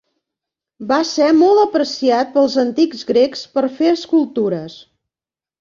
Va ser molt apreciat pels antics grecs per fer escultures.